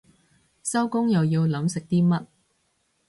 收工又要諗食啲乜